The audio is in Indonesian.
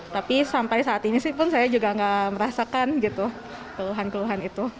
tapi sampai saat ini sih pun saya juga nggak merasakan gitu keluhan keluhan itu